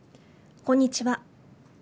こんにちは。